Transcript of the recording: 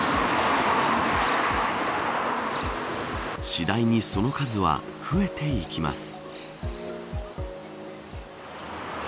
次第にその数は増えていきます。